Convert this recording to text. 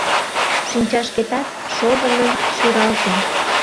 Шинчашкетат шовыным шӱралте.